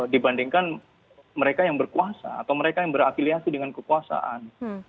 dibandingkan mereka yang berkuasa atau mereka yang berafiliasi dengan kekuasaan